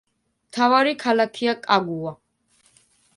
მთავარი ქალაქია კაგუა.